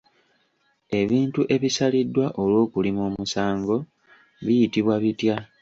Ebintu ebisaliddwa olw'okulima omusango biyitibwa bitya?